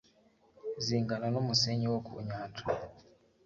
zingana n'umusenyi wo ku nyanja